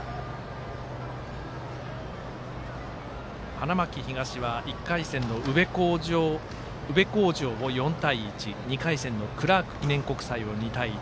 花巻東は１回戦の宇部鴻城を４対１２回戦のクラーク記念国際を２対１。